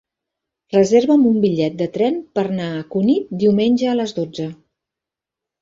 Reserva'm un bitllet de tren per anar a Cunit diumenge a les dotze.